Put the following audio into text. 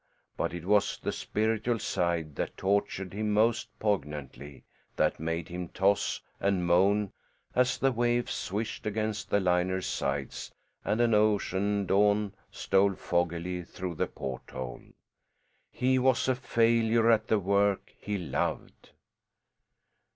But it was the spiritual side that tortured him most poignantly, that made him toss and moan as the waves swished against the liner's sides and an ocean dawn stole foggily through the porthole. He was a failure at the work he loved.